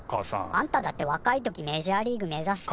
あんただって若い時メジャーリーグ目指すって。